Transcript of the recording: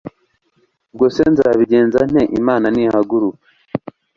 ubwo se nzabigenza nte imana nihaguruka